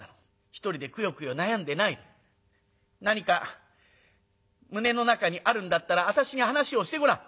一人でくよくよ悩んでないで何か胸の中にあるんだったら私に話をしてごらん。